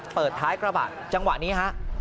เปิดท้ายกระบะจังหวะนี้ฮะ